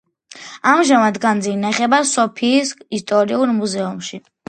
ამჟამად განძი ინახება სოფიის ისტორიულ მუზეუმში.